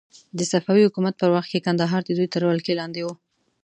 د صفوي حکومت په وخت کې کندهار د دوی تر ولکې لاندې و.